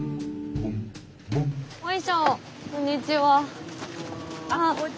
こんにちは。